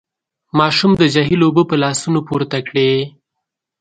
ماشوم د جهيل اوبه په لاسونو پورته کړې.